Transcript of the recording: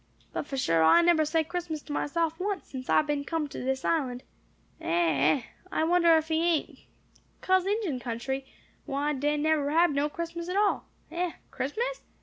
But for sure, I nebber say Christmas to myself once, since I been come to dis island. Eh! eh! I wonder if ee ent[#] 'cause dis Injin country, whey dey nebber hab no Christmas at all? Eh! Christmas?